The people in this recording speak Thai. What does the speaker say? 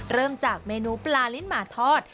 เริ่มจากเมนูปลาลิ้นหมาทอด